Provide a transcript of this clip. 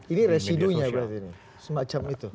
ini residunya berarti ini semacam itu